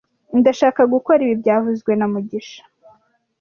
Ndashaka gukora ibi byavuzwe na mugisha